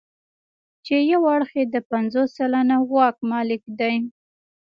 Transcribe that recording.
چې یو اړخ یې د پنځوس سلنه واک مالک دی.